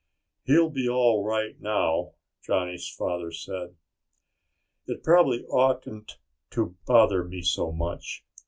"He'll be all right now," Johnny's father said. "It probably oughtn't to bother me so much."